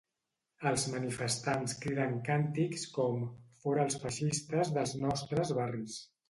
Els manifestants criden càntics com ‘Fora els feixistes dels nostres barris’.